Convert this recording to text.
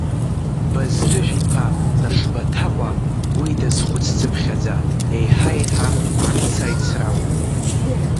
Базрыжә-иԥа Нашбаҭаҟәа уи дазхәыц-цыԥхьаӡа еиҳаеиҳа амца ицралон.